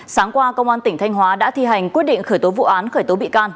sáng qua công an tỉnh thanh hóa đã thi hành quyết định khởi tố vụ án khởi tố bị can